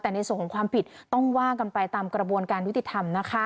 แต่ในส่วนของความผิดต้องว่ากันไปตามกระบวนการยุติธรรมนะคะ